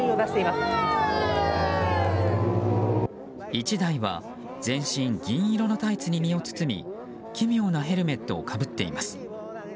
１台は全身銀色のタイツに身を包み奇妙なヘルメットをかぶっています。